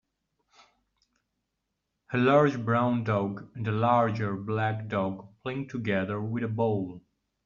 A large brown dog and a larger black dog playing together with a ball.